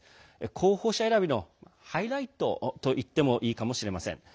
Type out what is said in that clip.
候補者選びのハイライトといってもいいかもしれません。